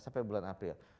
sampai bulan april